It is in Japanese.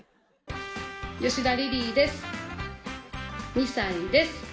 ２歳です